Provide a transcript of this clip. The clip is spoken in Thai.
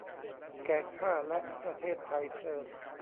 แก่ข้าและประเทศไทยเทอญ